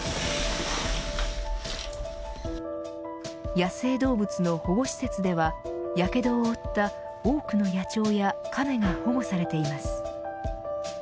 野生動物の保護施設ではやけどを負った多くの野鳥やカメが保護されています。